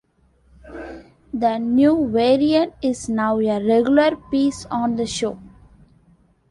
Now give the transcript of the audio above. The new variant is now a regular piece on the show.